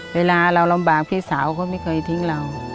เวลาเราลำบากพี่สาวก็ไม่เคยทิ้งเรา